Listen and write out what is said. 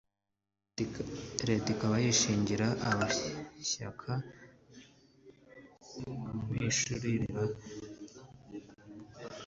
Leta ikaba yishingira abayashaka ibishyurira ikiguzi cyayo kingana na